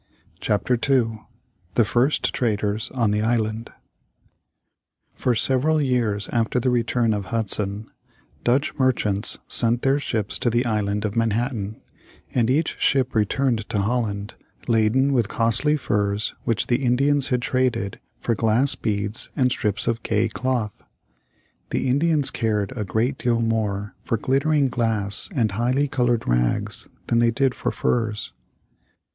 ] CHAPTER II THE FIRST TRADERS on the ISLAND For several years after the return of Hudson, Dutch merchants sent their ships to the Island of Manhattan, and each ship returned to Holland laden with costly furs which the Indians had traded for glass beads and strips of gay cloth. The Indians cared a great deal more for glittering glass and highly colored rags than they did for furs.